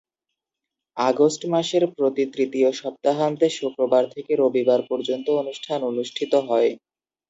August মাসের প্রতি তৃতীয় সপ্তাহান্তে শুক্রবার থেকে রবিবার পর্যন্ত অনুষ্ঠান অনুষ্ঠিত হয়।